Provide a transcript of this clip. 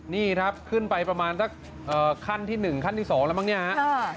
นี่ครับขึ้นไปประมาณสักขั้นที่๑ขั้นที่๒แล้วมั้งเนี่ยฮะ